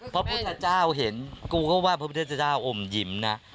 พระพุทธเจ้าเห็นกูก็ว่าพระพุทธเจ้าอมยิ้มนะ